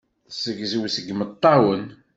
Tezzegzew seg yimeṭṭawen.